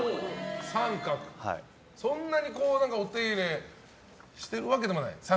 そんなにお手入れしてるわけでもない？